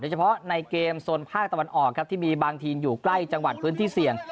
เฉพาะในเกมโซนภาคตะวันออกครับที่มีบางทีมอยู่ใกล้จังหวัดพื้นที่เสี่ยง